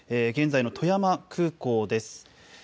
現在の富山空港です。